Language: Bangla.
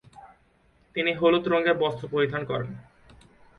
তিনি হলুদ রঙের বস্ত্র পরিধান করেন।